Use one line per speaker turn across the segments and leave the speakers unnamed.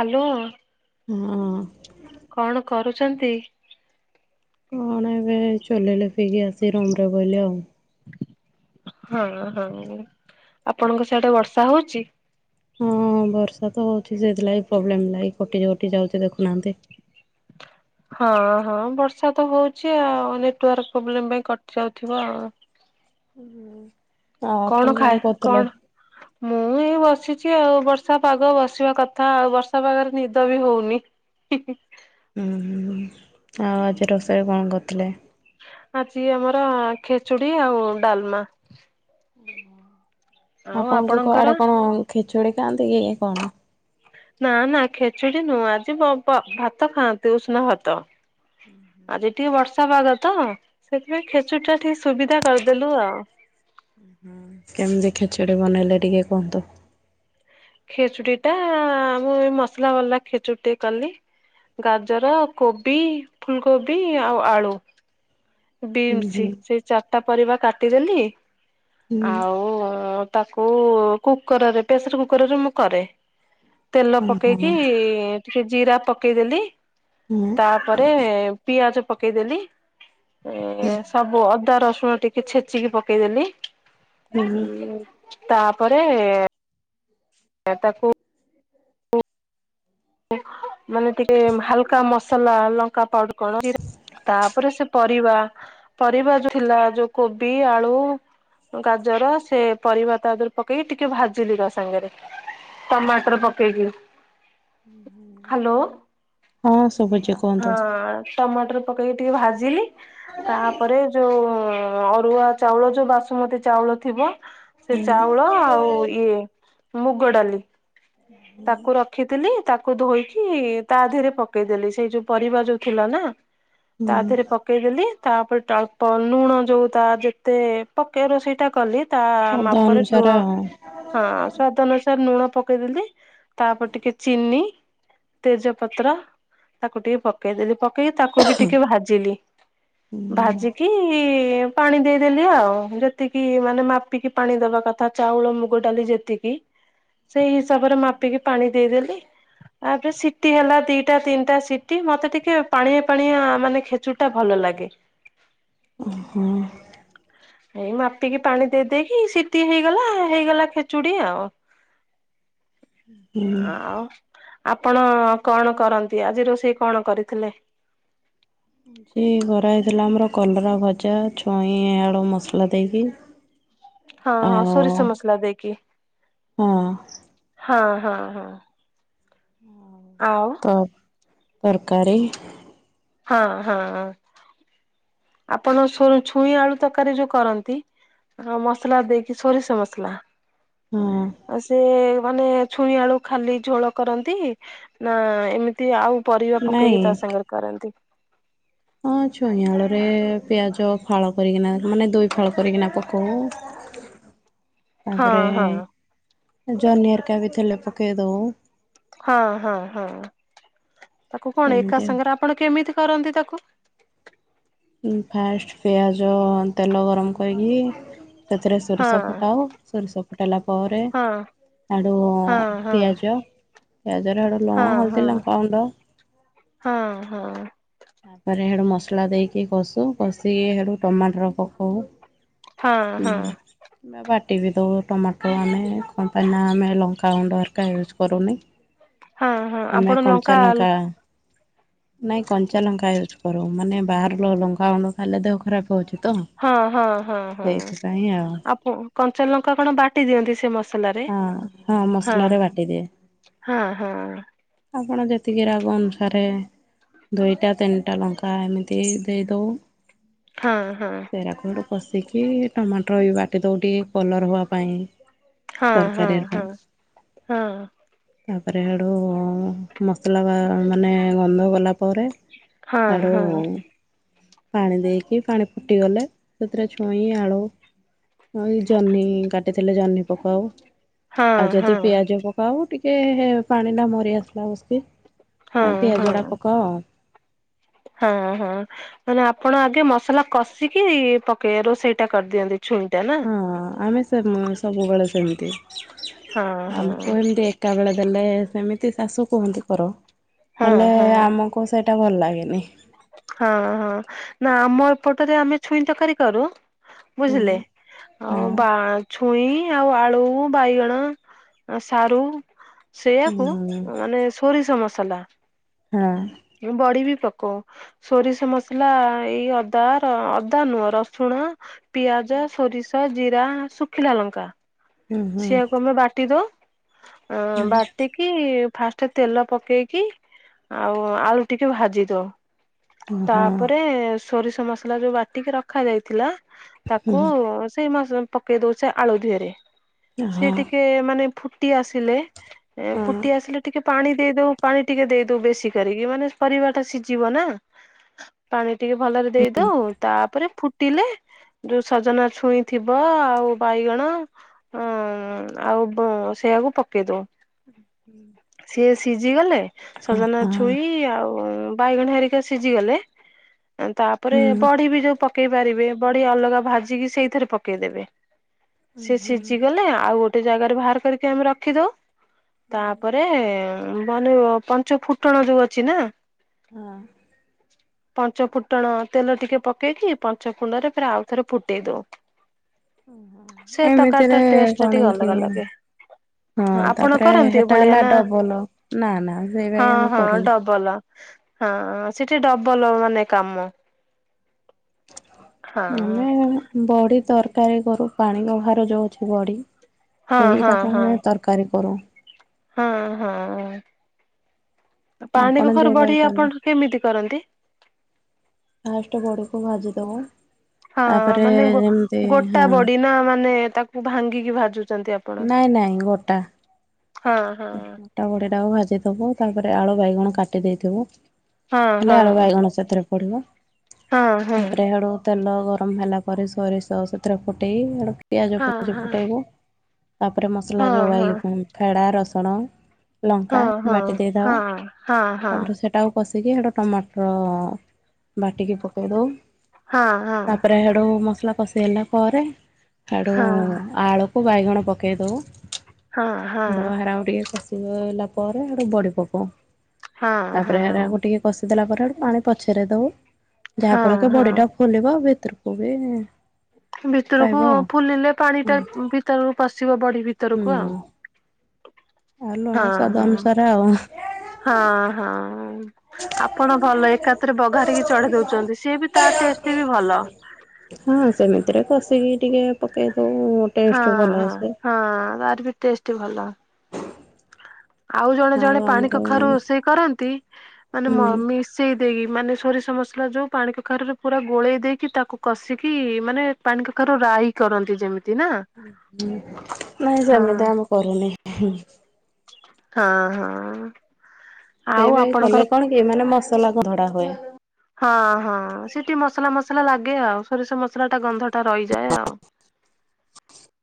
Hello.
ହଁ।
କଣ କରୁଛନ୍ତି।
କଣ ଏବେ ଚୁଲି ଲିପିକି ଆସି ରୁମ୍ ରେ ବଇଲି ଆଉ।
ହଁ ହଁ ଆପଣଙ୍କ ସିଆଡେ ବର୍ଷା ହଉଛି?
ହଁ ବର୍ଷା ତ ହଉଛି ସେଥିଲାଗି ପ୍ରୋବ୍ଲେମ ଲାଗି କଟି କଟି ଯାଉଛି ଦେଖୁନାହାନ୍ତି। [unintelligible]
ହଁ ହଁ ବର୍ଷା ତ ହଉଛି ଆଉ ନେଟୱାର୍କ ପ୍ରୋବ୍ଲେମ ପାଇଁ କଟି ଯାଉଥିବ ଆଉ।
ହୁଁ
କଣ ଖାଏ କଣ ମୁଁ? ଏଇ ବସିଛି ଆଉ ବର୍ଷା ପାଗ ବସିବା କଥା ଆଉ ବର୍ଷା ପାଗରେ ନିଦ ବି ହଉନି। [inaudible]
ହୁଁ, ହୁଁ ଆଉ ଆଜି ରୋଷେଇ କଣ କରିଥିଲେ?
ଆଜି ଆମର ଖେଚୁଡି ଆଉ ଡାଲମା। ଆଉ
ଆପଣଙ୍କ
ଆପଣଙ୍କର?
କୁଆଡେ କଣ ଖିଚୁଡି ଖାଆନ୍ତି କି କଣ?
ନା ନା ଖେଚୁଡି ନୁହଁ ଆଜି ବ ବ ଭାତ ଖାଆନ୍ତି ଉଷୁନା ଭାତ। ଆଜି ଟିକେ ବର୍ଷା ପାଗ ତ ସେଥିପାଇଁ ଖେଚୁଡି ଟା ଟିକେ ସୁବିଧା କରିଦେଲୁ ଆଉ।
ହୁଁ କେମିତି ଖେଚିଡି ବନେଇଲେ ଟିକେ କୁହନ୍ତୁ?
ଖେଚୁଡି ଟା ମୁଁ ଏ ମସଲା ବାଲା ଖେଚୁଡ଼ି ଟେ କଲି। ଗାଜର, କୋବି, ଫୁଲକୋବି, ଆଉ ଆଳୁ।
ହୁଁ
ଡିମସି
ହୁଁ
ସେଇ ଚାରିଟା ପରିବା କାଟିଦେଲି
ହୁଁ
ଆଉ ତାକୁ କୁକରରେ ପ୍ରେସର କୁକରରେ ମୁଁ କରେ। ତେଲ
ହଁ
ପକେଇକି
ହୁଁ
ଟିକେ ଜିରା ପକେଇଦେଲି
ହୁଁ
ତାପରେ ପିଆଜ ପକେଇଦେଲି। ଏ ସବୁ ଅଦା ରସୁଣ ଟିକେ ଛେଚିକି ପକେଇଦେଲି।
ହୁଁ।
ତାପରେ ସେ ତାକୁ ମାନେ ଟିକେ ହାଲକା ମସଲା ଲଙ୍କା ପାଉଡର କଣ ଜିରା ତାପରେ ସେ ପରିବା ପରିବା ଯୋଉ ଥିଲା ଯୋଉ କୋବି, ଆଳୁ ଗାଜର ସେ ପରିବା ତା ଦେହରେ ପକେଇକି ଟିକେ ଭାଜିଲି ତା ସାଙ୍ଗରେ। ଟମାଟର ପକେଇବି।
ଉଁ ହୁଁ।
ହ୍ୟାଲୋ
କୁହନ୍ତୁ।
ହଁ। ଟମାଟର ପକେଇକି ଟିକେ ଭାଜିଲି ତାପରେ ଯୋଉ ଅରୁଆ ଚାଉଳ ଯୋଉ ବାସୁମତୀ ଚାଉଳ ଥିବ ସେ ଚାଉଳ ଆଉ ଇଏ ମୁଗଡାଲି।
[unintelligible]
ତାକୁ ରଖିଥିଲି। ତାକୁ ଧୋଇକି ତା ଧିଏରେ ପକେଇଦେଲି ସେଇ ଯୋଉ ପରିବା ଯୋଉ ଥିଲା ନା।
[unintelligible]
ତା ଦେହେରେ ପ ପକେଇଦେଲି। ତାପରେ ଟ ଅଳ୍ପ ଲୁଣ ଯୋଉ ତା ଯେତେ ପକେଇ ରୋଷେଇଟା କଲି। ତା
ଶବ୍ଦ
ମାପରେ
ଅନୁସାରେ
ଲୁଣ
ଆଉ।
ହଁ ସ୍ୱାଦ ଅନୁସାରେ ଲୁଣ ପକେଇଦେଲି। ତାପରେ ଟିକେ ଚିନି, ତେଜ ପତ୍ର ତାକୁ ଟିକେ ପକେଇଦେଲି ପକ୍ ପକେଇ ତାକୁ ବି ଟିକେ ଭାଜିଲି।
ହୁଁ
ଭାଜିକି କି ପାଣି ଦେଇଦେଲି। ଆଉ ଯେତିକି ମାନେ ମାପିକି ପାଣି ଦବା କଥା ଚାଉଳ ମୁଗ ଡାଲି ଯେତିକି ସେଇ ହିସାବରେ ମାପିକି ପାଣି ଦେଇଦେଲି। ତାପରେ ସିଟି ହେଲା ଦିଟା ତିନିଟା ସିଟି ମତେ ଟିକେ ପାଣିଆ ପାଣିଆ ମାନେ ଖେଚୁଡ୍ ଟା ଭଲ ଲାଗେ।
ଉଁ ହୁଁ।
ଏଇ ମାପିକି ପାଣି ଦେଇଦେଇକି ସିଟି ହେଇଗଲା। ହେଇଗଲା ଖେଚୁଡି ଆଉ। ଏଁ
ହୁଁ।
ଆଁ ଉ ଆପଣ କଣ କରନ୍ତି? ଆଜି ରୋଷେଇ କଣ କରିଥିଲେ?
ହୁଁ କରା ହେଇଥିଲା ଆମର କଲରା ଭଜା, ଛୁଇଁ ଆଳୁ ମସଲା ଦେଇକି। ହଁ।
ହଁ ହଁ ସୋରିଷ ମସଲା ଦେଇକି
ହଁ
ହଁ ହଁ ହଁ। ଆଉ
ତ ତରକାରୀ।
ହଁ, ହଁ। ଆପଣ ଫୁଣି ଛୁଇଁ, ଆଳୁ ତରକାରୀ ଯୋଉ କରନ୍ତି ମସଲା ଦେଇକି ସୋରିଷ ମସଲା।
ହଁ
ଆ ସେ ମାନେ ଛୁଇଁ, ଆଳୁ ଖାଲି ଝୋଳ କରନ୍ତି ନା ଏମିତି ଆଉ ପରିବା
ନାଇଁ
ପକେଇକି ତା ସାଙ୍ଗରେ କରନ୍ତି।
ହଁ ଛୁଇଁ, ଆଳୁରେ ପିଆଜ ଫାଳ କରିକିନା ମାନେ ଦଇ ଫାଳ କରିକିନା ପକଉ।
ହଁ
ତାପରେ
ହଁ।
ଜହ୍ନି ହେରିକା ବି ଥିଲେ ପକେଇ ଦଉ।
ହଁ ହଁ ହଁ ତାକୁ କଣ ଏକା
ଏମିତି ଆଉ।
ସାଙ୍ଗରେ ଆପଣ କେମିତି କରନ୍ତି ତାକୁ?
ଫାଷ୍ଟ୍ ପିଆଜ, ତେଲ ଗରମ କରିକି ସେଥିରେ ସୋରିଷ
ହଁ।
ଫୁଟାହବ। ସୋରିଷ ଫୁଟାଇଲା ପରେ
ହଁ
ଆଡୁ
ହଁ ହଁ
ପିଆଜ ପିଆଜ ର ଆଡୁ
ହଁ, ହଁ, ହଁ, ହଁ।
ତାପରେ ହେଡୁ ମସଲା ଦେଇକି କଷୁ କଷିକି ହେଡୁ ଟମାଟର ପକଉ।
ହଁ ହଁ
ହୁଁ ବାଟି ବି ଦଉ ଟମାଟୋ ଆମେ କଣ ପାଇଁ ନା ଆମେ ଲ ଲଙ୍କଗୁଣ୍ଡ ହରକା ୟୁଜ୍ କରୁନି।
ହଁ ହଁ
ଆମେ
ଆପଣ ଲଙ୍କା
କଞ୍ଚାଲଙ୍କା ନାଇଁ କଞ୍ଚା ଲଙ୍କା ୟୁଜ୍ କରୁ। ମାନେ ବାହାର ଲଙ୍କାଗୁଣ୍ଡ ଖାଇଲେ ଦେହ ଖରାପ ହଉଛି। ତ
ହଁ, ହଁ, ହଁ, ହଁ ଆଉ କଞ୍ଚାଲଙ୍କା କଣ ବାଟି ଦିଅନ୍ତି ସେ ମସ୍ ସଲାରେ
ହଁ
ହଁ,
ମସଲାରେ ବାଟିଦିଏ
ହଁ, ହଁ।
ଆପଣ ଯେତିକି ରାଗ ଅନୁସାରେ ଦୁଇଟା, ତିନିଟା ଲଙ୍କା ଏମିତି ଦେଇଦଉ।
ହଁ, ହଁ।
ପେରାଖୁ ପଶିକି ଟମାଟର ଏଇ ବାଟି ଦଉ ଟିକେ କଲର୍ ହବା ପାଇଁ।
ହଁ
ତରକାରୀର କ
ହଁ ହଁ
ତାପରେ ହାଡୁ ମସଲା ବା ମାନେ ଗନ୍ଧ ଗଲା ପରେ
ହଁ
ହାଡ଼ୋ
ହଁ
ପାଣି ଦେଇକି ପାଣି ଫୁଟିଗଲେ ସେଥିରେ ଛୁଇଁ, ଆଳୁ ହଁ ଏଇ ଜହ୍ନି କାଟିଥିଲେ ଜହ୍ନି ପକାଉ।
ହଁ
ଆଉ
ହଁ
ଯଦି
ହଁ
ପିଆଜ ପକାଉ ଟିକେ ହେ ପାଣି ଟା ମରି ଆସିଲା ବସ୍ କି।
ହଁ
ଏଁ
ହଁ
ପିଆଜ ଡା ପକାଉ।
ହଁ, ହଁ। ମାନେ ଆପଣ ଆଗେ ମସଲା କଷିକି ପକେଇ ବେ ରୋଷେଇ ଟା କରିଦିଅନ୍ତି ଛୁଇଁ ଟା ନାଁ?
ହଁ ଆମେ ସେମ୍ ସବୁବେଳେ ସେମିତି
ହଁ
ଆମକୁ
ହଁ
ଏମିତି ଏ ଏକା ବେଳେ ଦେଲେ ସେମିତି ଶାଶୁ କୁହନ୍ତି କର
ହଁ
ହେଲେ
ହଁ
ଆମକୁ ସେ ଇଟା ଭଲ ଲାଗେନି।
ହଁ ହଁ ନା ଆମ ଏପଟରେ ଆମେ ଛୁଇଁ ତରକାରୀ କରୁ
ହୁଁ
ବୁଝିଲେ
ହଁ
ଅଁ ବା ଛୁଇଁ ଆଉ ଆଳୁ, ବାଇଗଣ, ଆ ସାରୁ ସେଇ
ହୁଁ
ଆକୁ ଉଁ ମାନେ ସୋରିଷ ମସଲା।
ହୁଁ।
ଏ ବଡି ବି ପକଉ। ସୋରିଷ ମସଲା ଏଇ ଅଦା ର ଅଦା ନୁହଁ ରସୁଣ ପିଆଜ, ସୋରିଷ, ଜିରା, ଶୁଖିଲା ଲଙ୍କା
ହୁଁ ହୁଁ
ସେଆକୁ ଆମେ ବାଟିଦଉ। ହଁ
ହୁଁ
ବାଟିିକ କି ଫାଷ୍ଟ୍ ତେଲ ପକେଇକି ଆଉ ଆଳୁ ଟିକେ ଭାଜି ଦଉ।
ହଁ
ତାପରେ
ଏମିତିରେ
ସୋରିଷ ମସଲା ଯୋଉ ବାଟିକି ରଖା ଯାଇଥିଲା ତାକୁ ସେଇ ମାସ ପକେଇ ଦଉ ସେ ଆଳୁ ଦିହରେ। ସେ ଟିକେ ମାନେ ଫୁଟି ଆସିଲେ ଏ ଫୁଟି ଆସିଲେ ଟିକେ ପାଣି ଦେଇଦଉ ପାଣି ଟିକେ ଦେଇଦଉ ବେଶୀ କରିକି ମାନେ ପରିବା ଟା ସିଯିବ ନା। ପାଣି ଟିକେ ଭଲରେ ଦେଇଦଉ ତାପରେ ଫୁ ଟିଲେ ଯୋଉ ସଜନା ଛୁଇଁ ଥିବ ଆଉ ବାଇଗଣ ହୁଁ ଆଉ ବ ସେଇଆକୁ ପକେଇ ଦଉ।
ଉଁ ହୁଁ।
ସିଏ ସିଝିଗଲେ ସଜନା ଛୁଇଁ ଆଉ ବାଇଗଣ ହେରିକା ସିଜି ଗଲେ ତାପରେ ବଢ଼ି ବି ଯୋଉ ପ ପକେଇ ପାରିବେ ବଢି ଅଲଗା ଭାଜିକି ସେଇଥିରେ ପକେଇଦେବେ ସେ ସିଝି ଗଲେ ଆଉ ଗୋଟେ ଜାଗାରେ ଭାଆର କରିକି ଆମେ ରଖିଦଉ ତା ଏ ବନିବ ପାଞ୍ଚୁ ଫୁଟଣ ଯୋଉ ଅଛି ନା?
ହଁ।
ପଞ୍ଚ ଫୁଟଣ ତେଲ ଟିକେ ପକେଇକି ପଞ୍ଚ କୁଣ୍ଡରେ ଫେରେ ଆଉ ଥରେ ଫୁଟେଇ ଦଉ।
[inaudible] ଓ ହୋ
ସେ ତରକାରୀ ଟା
ଏମିତିରେ
ଟେଷ୍ଟ ଟା
କଣ
ଟିକେ
କି
ଅଲଗା ଲାଗେ
ହଁ
ଆପଣ
ତାପରେ
କରନ୍ତି
ହେ ଟା
ଏଭଳିଆ
ହେଲା
ନା?
ଡବଲ ନା ନା ସେଇ ଭାଇ ଆମେ କରୁନି।
ବଲ ହଁ ସେଠି ଡବଲ ମାନେ କାମ। ହଁ।
ଆମେ ମ ବଡି ତରକାରୀ କରୁ ପାଣି କଖାରୁ ଯୋଉ ଅଛି ବଡି
ହଁ ହଁ
ସେଇଟାକୁ
ହଁ
ଆମେ ତର କାରି କରୁ।
ହଁ ହଁ ପାଣି
ଆପଣ
କଖାରୁ
ଯୋଉ ଭାଇ
ବଢି
କଲେ।
ଆପଣ କେମିତି କରନ୍ତି?
ଫାଷ୍ଟେ ବଡିକୁ ଭାଜି ଦବୁ।
ହଁ ମାନେ ଗୋ ଗୋଟା
ହଁ
ବଡି ନା ମାନେ ତାକୁ ଭାଙ୍ଗିକି ଭାଜୁଛନ୍ତି ଆପ
ନାଇଁ ନାଇଁ ଗୋଟା।
ହଁ ହଁ।
ଗୋଟା ବଡ଼ିଟାକୁ ଭାଜି ଦେବ ତାପରେ ଆଳୁ ବାଇଗଣ କାଟି ଦେଇଥିବ
ହଁ
ଖାଲି
ହଁ
ଆଳୁ ବାଇଗଣ ସେଥିରେ ପଡ଼ିବ
ହଁ ହଁ।
ତାପରେ ହିଆଡ଼ୁ ତେଲ ଗରମ ହେଲା ପରେ ସୋରିଷ ସେଥିରେ ଫୁଟେଇ ହେଟୁ ପିଆଜ [unintelligible] ଫୁଟେଇବ। ତାପରେ ମସଲା ଯୋଉ ଫେଡା ରସୁଣ। ଲଙ୍କା ବାଟି ଦେଇ ଦବ ତାପରେ ସେ ତାକୁ କଷିକି ହେଟା ଟମାଟର ବାଟିକି ପକେଇ ଦେଉ। ତାପରେ ସେଡୁ ମସଲା କଷି ହେଲା ପରେ ସେଡୁ ଆଳୁ କୁ ବାଇଗଣ ପକାଇ ଦେବୁ ହେଟୁ ହେରାକୁ ଟିକେ କଷିଗଲା ପରେ ହେଇଠୁ ବଡି ପକଉ ତାପରେ ହେରାକୁ ଟିକେ କଷିଦେଲା ପରେୁ ପାଣି ପଛରେ ଦଉ ଯାହା ଫଳ କି ବଡି ଟା ଫୁଲିବ ଭିତରକୁ ବି ପାଇବ
ଭିତରକୁ
ଆଉ।
ଫୁଲିଲେ ପାଣି ଟା ଭିତରକୁ ପଶିବ ବଢି
ହୁଁ
ଭିତରକୁ ଆଉ।
ଆଉ ଲୁଣ
ହଁ
ସ୍ୱାଦ
ହଁ
ଅନୁସାରେ ଆଉ।
ହଁ ହଁ। ଆପଣ ଭଲ ଏକାତରେ ବଘାରିକି ଚଢେଇ ଦଉଛନ୍ତି ସେ ବି ତା ଟେଷ୍ଟ ବି ଭଲ।
ହଁ ସେମିତିରେ କସିକି ଟିକେ ପକେଇ ଦଉ
ହଁ
ଟେଷ୍ଟ ଭଲ
ହଁ
ଆସେ।
ହଁ ତାର ବି ଟେଷ୍ଟ ଭଲ। ଆଉ ଜଣେ ଜଣେ ପାଣି
ଆମର ହୁଁ
କଖାରୁ ରୋଷେଇ କରନ୍ତି ମାନେ ମ ମିସ ସେଇ ଦେଇକି ମାନେ ସୋରିଷ ମସଲା ଯେଉଁ ପାଣି କଖାରୁରେ ପୁରା ଗୋଳେଇ ଦେଇକି ତାକୁ କଷିକି ମାନେ ପାଣି କଖାରୁ ରାଇ କରନ୍ତି ଯେମିତି ନା।
ନାଇଁ
ହଁ
ସେମିତି ଆମେ କରୁନି। ହୁଁ
ହଁ ହଁ।
ସେଇ
ଆଉ
[unintelligible]
ଆପଣଙ୍କର
କଲେ କଣ କି ମାନେ ମସଲା କ ଧଡା ହୁଏ।
ହଁ ହଁ ସେଠି ମସଲା ମସଲା ଲାଗେ ଆଉ ସୋରିଷ ମସଲାଟା ଗନ୍ଧଟା ରହିଯାଏ ଆଉ
[unintelligible]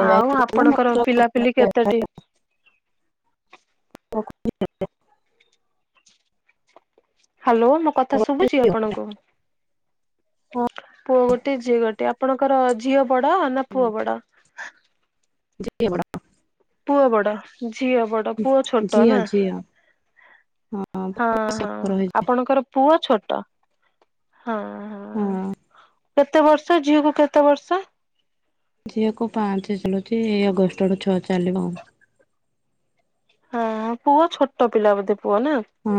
ଆଉ ଆପଣଙ୍କର ପିଲାପିଲି କେତେଟି?
[unintelligible]
ହ୍ୟାଲୋ ମୋ କଥା ଶୁଭୁଛି ଆପଣଙ୍କୁ? ପୁଅ ଗୋଟେ ଝିଅ ଗୋଟେ ଆପଣଙ୍କର ଝିଅ ବଡ ନା ପୁଅ ବଡ? ପୁଅ ବଡ ଝିଅ ବଡ ପୁଅ ଛୋଟ
ଝିଅ
ନା।
ଝିଅ
ହଁ ହଁ
ସଫର ହେଇଛି
ଆପଣଙ୍କର ପୁଅ ଛୋଟ ହଁ ହଁ ହଁ। କେତେ ବର୍ଷ ଝିଅକୁୁ କେତେ ବର୍ଷ?
ଝିଅକୁ ପାଞ୍ଚ ଚାଲୁଛି ଏଇ ଅଗଷ୍ଟ ଆଡ଼ୁ ଛଅ ଚାଲିବ।
ହଁ ପୁଅ ଛୋଟ ପିଲା ବୋଧେ ପୁଅ ନା।
ହଁ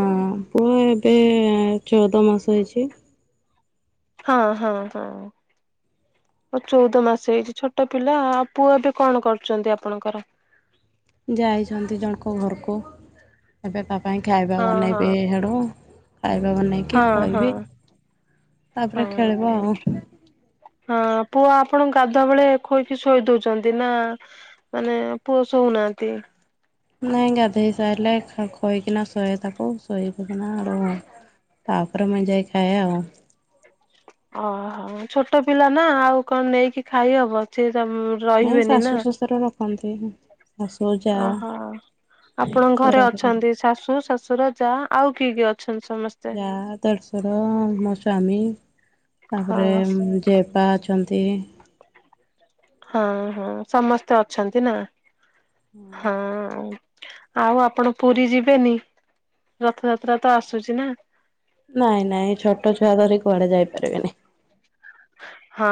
ପୁଅ ଏବେ ଚଉଦ ମାସ ହେଇଛି।
ହଁ ହଁ ହଁ। ଅ ଚଉଦ ମାସ ହେଇଛି ଛୋଟ ପିଲା ପୁଅ ଏବେ କଣ କରୁଛନ୍ତି ଆପଣଙ୍କର?
ଯାଇଛନ୍ତି ଜଣଙ୍କ ଘରକୁ ଏବେ ତା ପାଇଁ ଖାଇବା
ହଁ ହଁ।
ବନେଇବି ହେଡ଼ୁ ଖାଇବା ବନେଇକି
ହଁ ହଁ
ଖୁଆଇବି ତାପରେ ଖେଳିବ
ହଁ
ଆଉ।
ହଁ ପୁଅ ଆପଣଙ୍କ ଗାଧୁଆ ବେଳେ ଖୁଇକି ଶୋଇ ଦଉଛନ୍ତି ନା ମାନେ ପୁଅ ଶଉନାହାନ୍ତି।
ନାଇଁ ଗାଧୋଇ ସାରିଲେ ଖୋଇକିନା ଶୋହେ ତାକୁ ଶୋଇଉଟିକିନା ଆରୁ ତା ପରେ ମୁଁ ଯାଏଁ ଖାଏ ଆଉ।
ଓହୋ ଛୋଟ ପିଲା ନା ଆଉ କଣ ନେଇକି ଖାଇହବ ସେ ସମ୍
ନାଇଁ ଶାଶୁ ଶଶୁର ରଖନ୍ତି ଶାଶୁ ଯା
ଓହୋ। ଆପଣଙ୍କ
ସେ
ଘରେ
ରହିଲେ
ଅଛନ୍ତି ଶାଶୁ ଶଶୁର ଯା ଆଉ କିଏ କିଏ ଅଛନ୍ତି ସମସ୍ତେ?
ଯା ଦେଡ଼ଶୁର ମୋ ସ୍ୱାମୀ
ହଁ
ତାପରେ ଯେପା ଅଛନ୍ତି।
ହଁ ହଁ ସମସ୍ତେ ଅଛନ୍ତି ନା ହଁ। ଆଉ ଆପଣ ପୁରୀ ଯିବେନି ରଥଯାତ୍ରା ତ ଆସୁଛି ନା।
ନାଇଁ ନାଇଁ ଛୋଟ ଛୁଆ ଧରିି କୁଆଡେ ଯାଇପାରିବିନି।
ହଁ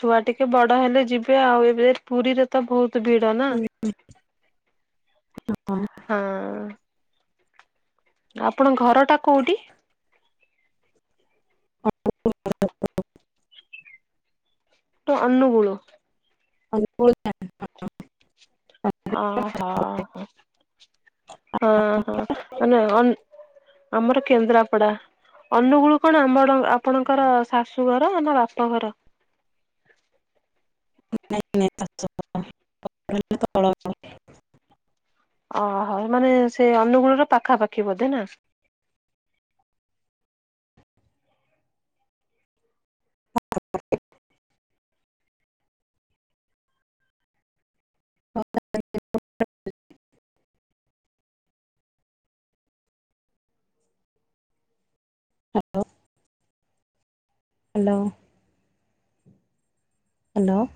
ଛୁଆ ଟିକେ ବଡ ହେଲେ ଯିବେ ଆଉ ଏବେ ପୁରୀରେ ତ ବହୁତ ଭିଡ ନା ହଁ। ଆପଣଙ୍କ ଘରଟା କୋଉଠି?
[unintelligible]
ତ ଅନୁଗୁଳୁ।
ଅନଗୁଳୁ [unintelligible]
ଅ ହୋ ହଁ ହଁ ମାନେ ଅନ୍ ଆମର କେନ୍ଦ୍ରାପଡା। ଅନୁଗୁଳୁ କଣ ଆମର ଆପଣଙ୍କର ଶାଶୁ ଘର ନା ବାପା ଘର?
[unintelligible]
ଓହୋ ମାନେ ସେ ଅନୁଗୁଳର ପାଖାପାଖି ବୋଧେ ନା?
[inaudible] [unintelligible] [unintelligible] Hello hello. ହ୍ୟାଲୋ।